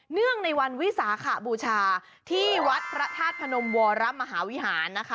เนื่องในวันวิสาขบูชาที่วัดพระธาตุพนมวรมหาวิหารนะคะ